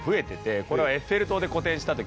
「これはエッフェル塔で個展した時の」